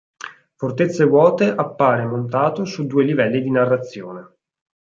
Fortezze vuote appare montato su due livelli di narrazione.